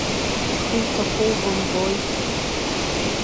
Бхы иҭақәоу бымбои.